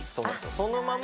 そのまんま